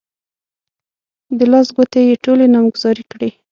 د لاس ګوتې يې ټولې نامګذاري کړې.